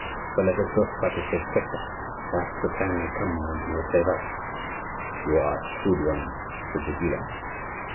So, let us both try to save Christophe; perhaps the time may come when he will save us." "You are a shrewd one," said the jeweller.